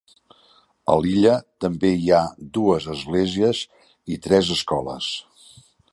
A l'illa també hi ha dues esglésies i tres escoles.